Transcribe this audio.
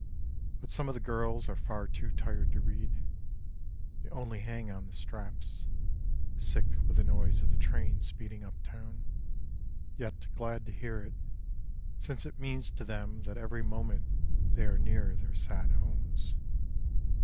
But some of the girls are far too tired tp read. They only hang on the straps, Sick with the noise of the train speeding up town. Yet glad to hear it, since it means to them That every moment they are nearer their sad homes.